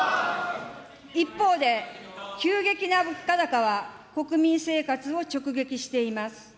一方で、急激な物価高は国民生活を直撃しています。